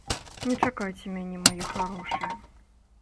Не чакайце мяне, мае харошыя.